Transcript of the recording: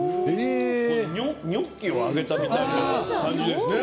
ニョッキを揚げたみたいな感じですね。